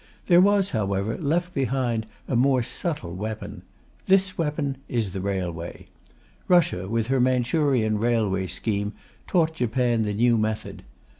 There was, however, left behind a more subtle weapon. This weapon is the railway. Russia with her Manchurian Railway scheme taught Japan the new method.